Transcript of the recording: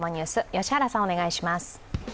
良原さん、お願いします。